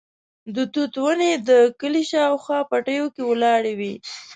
د توت ونې د کلي شاوخوا پټیو کې ولاړې وې.